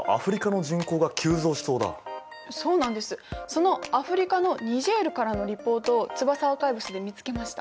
そのアフリカのニジェールからのリポートをツバサアーカイブスで見つけました。